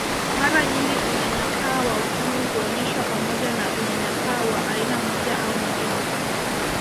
Mara nyingi unyanyapaa wa Ukimwi huonyeshwa pamoja na unyanyapaa wa aina moja au nyingine